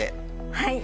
はい！